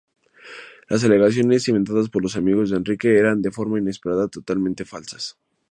Las alegaciones, inventadas por los amigos de Enrique, eran de forma inesperada totalmente falsas.